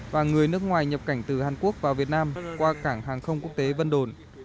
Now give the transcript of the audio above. và người nước ngoài nhập cảnh từ hàn quốc vào việt nam qua cảng hàng không quốc tế vân đồn